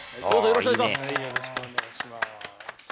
よろしくお願いします。